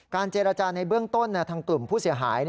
เจรจาในเบื้องต้นทางกลุ่มผู้เสียหาย